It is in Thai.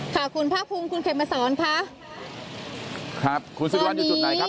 ค่ะคุณภาคภูมิคุณเข็มมาสอนค่ะครับคุณสิริวัลอยู่จุดไหนครับ